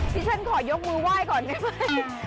ฉันขอยกมือไหว้ก่อนได้ไหม